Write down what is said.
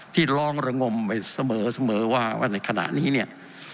ที่ร้องระงมไปเสมอว่าว่าในขณะนี้เนี่ย